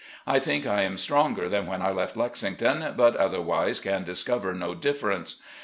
I think I am stronger than when I left Lexington, but otherwise can discover no difference.